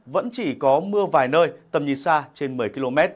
vẫn chỉ có mưa vài nơi tầm nhìn xa trên một mươi km